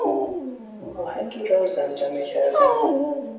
آهنگی را زمزمه کردن